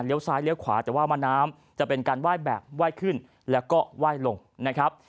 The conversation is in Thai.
ซ้ายเลี้ยวขวาแต่ว่ามะน้ำจะเป็นการไหว้แบบไหว้ขึ้นแล้วก็ไหว้ลงนะครับ